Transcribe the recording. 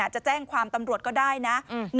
จะแจ้งความตำรวจก็ได้นะ